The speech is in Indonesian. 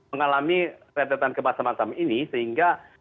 mengalami retretan kemasan masan ini sehingga